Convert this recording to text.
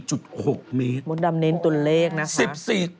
มดดำเน้นตัวเลขนะคะ